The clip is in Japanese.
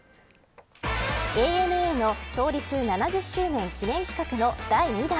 ＡＮＡの創立７０周年記念企画の第２弾。